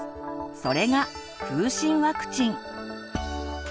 それが「風疹ワクチン」。